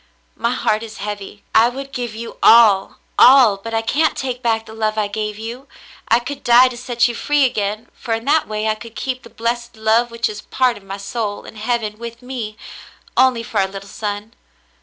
My heart is heavy. I would give you all, all, but I can't take back the love I gave you. I could die to set you free again, for in that way I could keep the blessed love which is part of my soul, in heaven with me, only for our little son.